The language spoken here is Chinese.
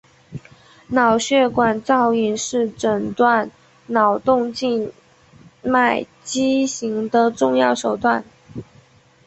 脑血管造影是诊断脑动静脉畸形的重要手段。